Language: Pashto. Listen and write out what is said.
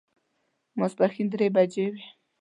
ماسپښین درې بجې وې.